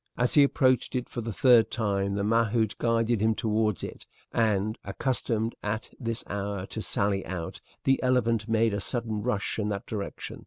As he approached it for the third time the mahout guided him towards it, and, accustomed at this hour to sally out, the elephant made a sudden rush in that direction.